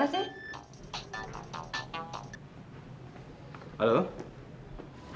nah ini demanded lagi siap